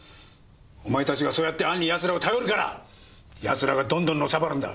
お前たちがそうやって暗にやつらを頼るからやつらがどんどんのさばるんだ。